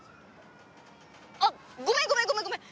あっごめんごめんごめんごめん。